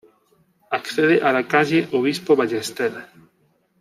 Accede a la Calle Obispo Ballester.